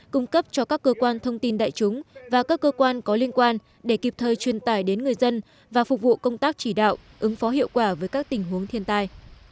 cung cấp cho các cơ quan thông tin đại chúng và các cơ quan có liên quan để kịp thời truyền tải đến người dân và phục vụ công tác chỉ đạo ứng phó hiệu quả với các tình huống thiên tai